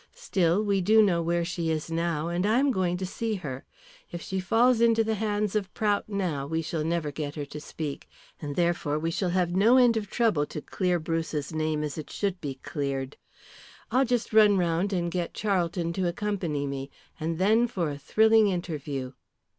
"Still, we do know where she is now, and I am going to see her. If she falls into the hands of Prout now, we shall never get her to speak, and therefore we shall have no end of trouble to clear Bruce's name as it should be cleared. I'll just run round and get Charlton to accompany me. And then for a thrilling interview."